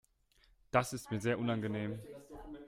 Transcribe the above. Das ist mir sehr unangenehm.